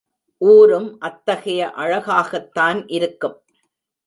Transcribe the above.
ஊரும் அத்தகைய அழகாகத்தான் இருக்கும்.